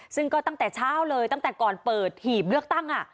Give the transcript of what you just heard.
ซึ่งก็ตั้งแต่เช้าเลยตั้งแต่ก่อนเปิดหีบเลือกตั้ง